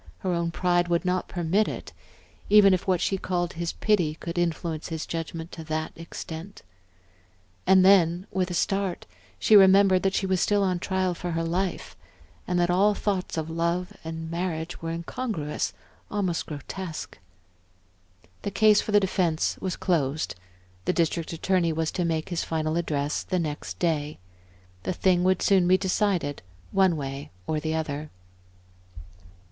Her own pride would not permit it, even if what she called his pity could influence his judgment to that extent. And then, with a start, she remembered that she was still on trial for her life, and that all thoughts of love and marriage were incongruous, almost grotesque. The case for the defense was closed, the District Attorney was to make his final address the next day. The thing would soon be decided, one way or the other.